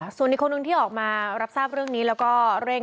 ส่วนอีกคนนึงที่ออกมารับทราบเรื่องนี้แล้วก็เร่ง